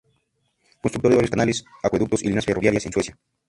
Constructor de varios canales, acueductos y líneas ferroviarias en Suecia.